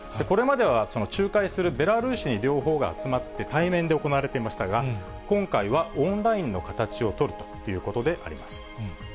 これまでは、仲介するベラルーシに両方が集まって、対面で行われていましたが、今回はオンラインの形を取るということであります。